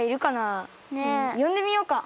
よんでみようか。